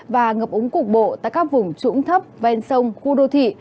và ngập úng cục bộ tại các vùng trũng thấp ven sông khu đô thị